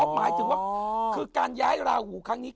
หมายถึงว่าคือการย้ายราหูครั้งนี้